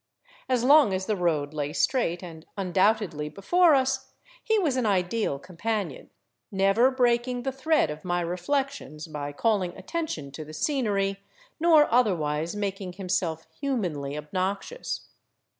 As long as the road lay straight and undoubtedly before us, he was an ideal companion, never breaking the thread of my reflections by calling attention to the scenery, nor otherwise making himself humanly ob noxious.